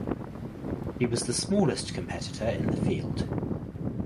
She was the smallest competitor in the field.